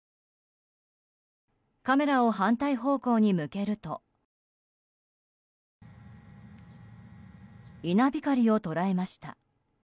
カメラを反対方向に向けると稲光を捉えました。